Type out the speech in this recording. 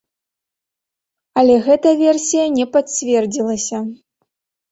Але гэтая версія не пацвердзілася.